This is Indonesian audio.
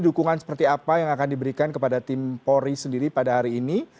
dukungan seperti apa yang akan diberikan kepada tim polri sendiri pada hari ini